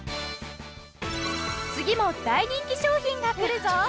次も大人気商品が来るぞ！